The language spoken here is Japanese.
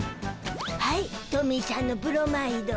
はいトミーしゃんのブロマイド。